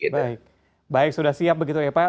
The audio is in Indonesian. baik baik sudah siap begitu ya pak